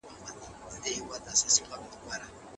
ستاسو په روح کي به د ډاډ احساس وي.